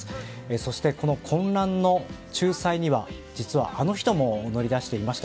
そして、この混乱の仲裁には実はあの人も乗り出していました。